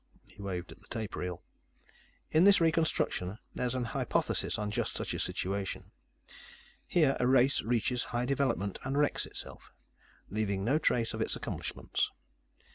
He waved at the tape reel. "In this reconstruction, there's an hypothesis on just such a situation. Here, a race reaches high development and wrecks itself leaving no trace of its accomplishments.